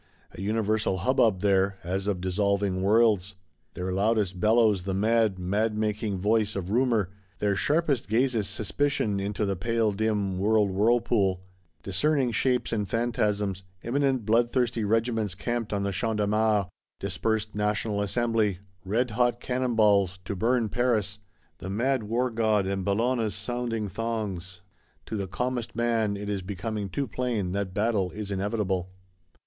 A universal hubbub there, as of dissolving worlds: their loudest bellows the mad, mad making voice of Rumour; their sharpest gazes Suspicion into the pale dim World Whirlpool; discerning shapes and phantasms; imminent bloodthirsty Regiments camped on the Champ de Mars; dispersed National Assembly; redhot cannon balls (to burn Paris);—the mad War god and Bellona's sounding thongs. To the calmest man it is becoming too plain that battle is inevitable.